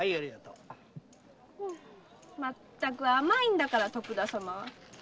まったく甘いんだから徳田様は。